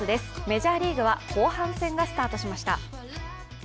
メジャーリーグは後半戦がスタートしました。